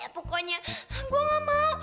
pokoknya gue gak mau